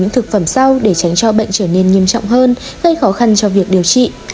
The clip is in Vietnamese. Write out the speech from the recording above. thực phẩm sau để tránh cho bệnh trở nên nghiêm trọng hơn gây khó khăn cho việc điều trị